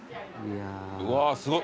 うわすごい。